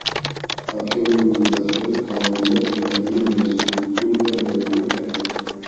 არქეოლოგიური გათხრებით გამოვლინდა გვიანდელი მეზოლითური და ნეოლითური ფენები.